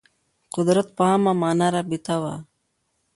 قدرت په عامه معنا رابطه وه